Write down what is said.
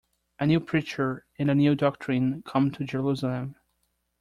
A new preacher and a new doctrine come to Jerusalem.